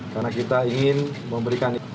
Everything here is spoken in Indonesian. karena kita ingin memberikan